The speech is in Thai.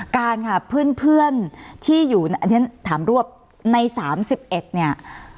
การค่ะเพื่อนที่อยู่อันนี้ถามรวบใน๓๑เนี่ย